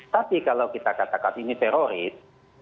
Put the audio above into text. tapi kalau kita katakan ini teroris